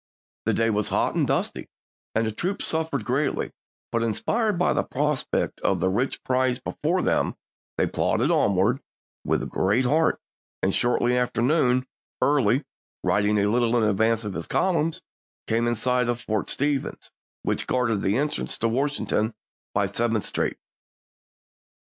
The day was hot and dusty, and the troops suffered greatly, but inspired by the prospect of the rich prize before them, they plodded onward with good heart, and shortly after noon Early, riding a little in advance of his column, came in sight of Fort Stevens, which guarded the entrance to Washington by Seventh Street.